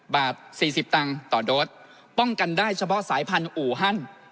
บาท๔๐ตังค์ต่อโดสป้องกันได้เฉพาะสายพันธุฮัน